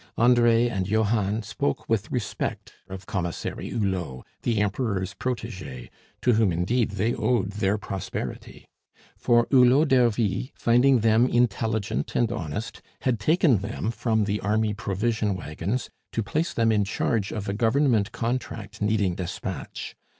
Andre and Johann spoke with respect of Commissary Hulot, the Emperor's protege, to whom indeed they owed their prosperity; for Hulot d'Ervy, finding them intelligent and honest, had taken them from the army provision wagons to place them in charge of a government contract needing despatch.